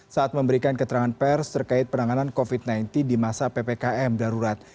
saat memberikan keterangan pers terkait penanganan covid sembilan belas di masa ppkm darurat